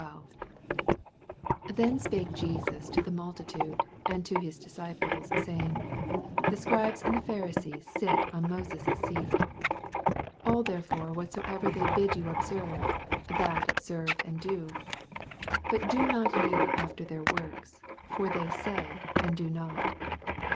1—12. 1 Then spake JesiiB to the multir Uide, and to his disciples, 2 Sayingi the ScribeB and the Pha risees Hit in MoBes^ seat : 8 All therefore whatsoever they bid von observe, that observe and do; bat do not ye after their works : for they say, and do not.